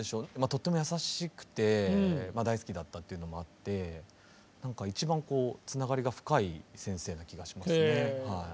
とっても優しくて大好きだったっていうのもあって何か一番つながりが深い先生な気がしますね。